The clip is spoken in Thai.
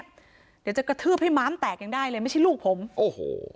เดี๋ยวจะกระทืบให้ม้ามแตกยังได้เลยไม่ใช่ลูกผมโอ้โห